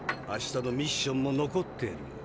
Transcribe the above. あしたのミッションも残ってる。